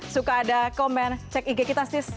suka ada komen cek ig kita sih